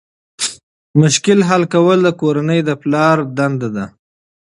مشکل حل کول د کورنۍ د پلار دنده ده.